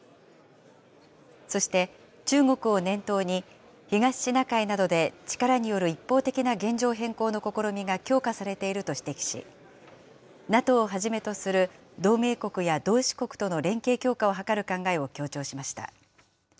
そして、中国を念頭に、東シナ海などで力による一方的な現状変更の試みが強化されていると指摘し、ＮＡＴＯをはじめとする同盟国や同志国との連携強化を図る考えを強調しました。